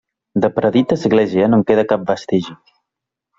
De predita església no en queda cap vestigi.